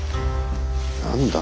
何だ？